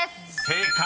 ［正解！